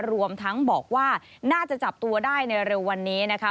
รวมทั้งบอกว่าน่าจะจับตัวได้ในเร็ววันนี้นะคะ